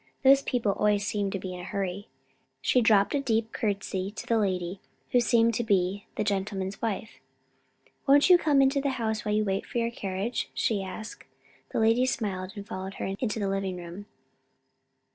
"Those people always seem to be in a hurry." She dropped a deep curtsy to the lady, who seemed to be the gentleman's wife. "Won't you come into the house while you wait for the carriage?" she asked. The lady smiled, and followed her into the living room.